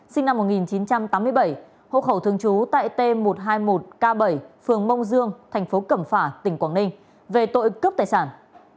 sinh năm một nghìn chín trăm tám mươi bảy hộ khẩu thương chú tại t một trăm hai mươi một k bảy phường mông dương tp cẩm phả tỉnh quảng ninh về tội cướp tài sản